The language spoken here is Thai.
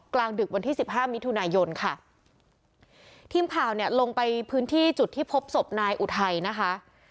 ดึกวันที่สิบห้ามิถุนายนค่ะทีมข่าวเนี่ยลงไปพื้นที่จุดที่พบศพนายอุทัยนะคะ